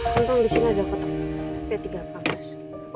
tentang disini ada kotak p tiga pangkas